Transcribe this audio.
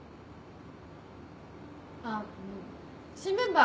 あっ新メンバー